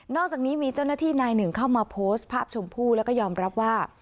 อกจากนี้มีเจ้าหน้าที่นายหนึ่งเข้ามาโพสต์ภาพชมพู่แล้วก็ยอมรับว่า